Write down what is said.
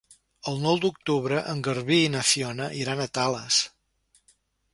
El nou d'octubre en Garbí i na Fiona iran a Tales.